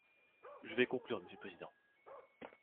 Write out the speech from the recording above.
Je vais conclure, monsieur le président.